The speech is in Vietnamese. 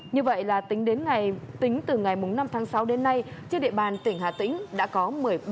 như vậy là tính từ ngày năm tháng sáu đến nay trên địa bàn tỉnh hà tĩnh đã có một mươi ba ca mắc covid một mươi chín